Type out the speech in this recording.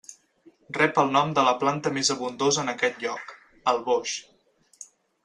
Rep el nom de la planta més abundosa en aquest lloc, el boix.